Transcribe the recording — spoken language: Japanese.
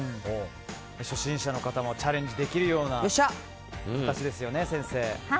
初心者の方もチャレンジできるようなものですよね。